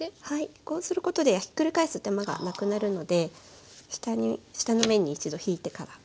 こうすることでひっくり返す手間がなくなるので下の面に一度ひいてから。